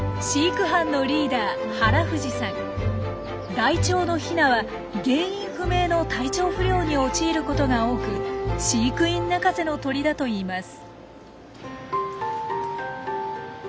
ライチョウのヒナは原因不明の体調不良に陥ることが多く飼育員泣かせの鳥だといいます。